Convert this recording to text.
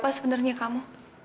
siapa sebenarnya kamu